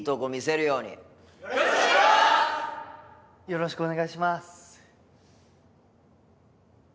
よろしくお願いします。